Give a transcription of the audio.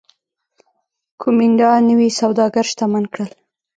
کومېنډا نوي سوداګر شتمن کړل